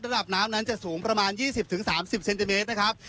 ระดับน้ำนั้นจะสูงประมาณยี่สิบถึงสามสิบเซนติเมตรนะครับ